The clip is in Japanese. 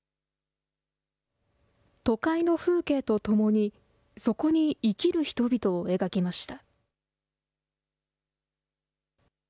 都会の風景と共に、そこに生きる人々を描きました。